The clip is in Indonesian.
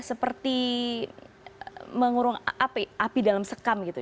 seperti mengurung api dalam sekam gitu